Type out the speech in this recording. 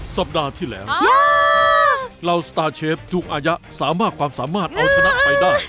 สัปดาห์ที่แล้วเหล่าสตาร์เชฟทุกอายะสามารถความสามารถเอาชนะไปได้